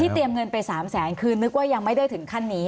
เตรียมเงินไป๓แสนคือนึกว่ายังไม่ได้ถึงขั้นนี้